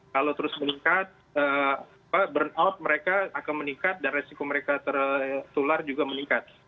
kalau terus meningkat burnout mereka akan meningkat dan resiko mereka tertular juga meningkat